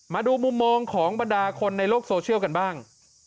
มาดูมุมมองของบรรดาคนในโลกโซเชียลกันบ้าง